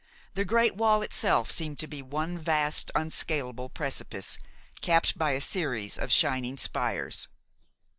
The great wall itself seemed to be one vast, unscalable precipice, capped by a series of shining spires.